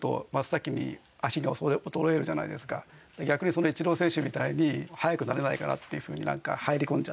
逆にイチロー選手みたいに速くなれないかなっていうふうになんか入り込んじゃって。